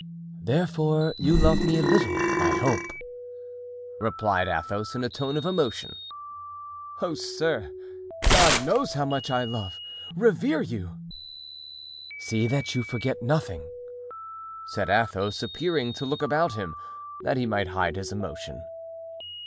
"Therefore you love me a little, I hope," replied Athos, in a tone of emotion. "Oh, sir! God knows how much I love, revere you." "See that you forget nothing," said Athos, appearing to look about him, that he might hide his emotion.